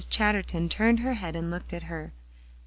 Chatterton turned her head and looked at her.